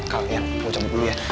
kak ya aku mau campur dulu ya